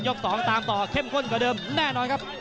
๒ตามต่อเข้มข้นกว่าเดิมแน่นอนครับ